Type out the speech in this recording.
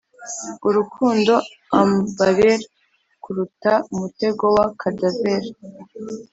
urukundo am barer kuruta umutego wa cadaver